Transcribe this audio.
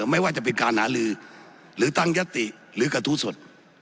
ไม่ว่าจะเป็นการหาลือหรือตั้งยติหรือกระทู้สด